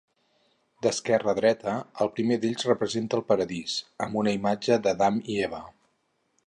D'esquerra a dreta, el primer d'ells representa el Paradís, amb una imatge d'Adam i Eva.